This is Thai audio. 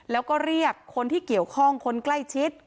แล้วก็เรียกคนที่เกี่ยวข้องคนใกล้ชิด